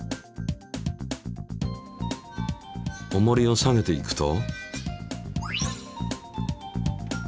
おもりを下げていくと。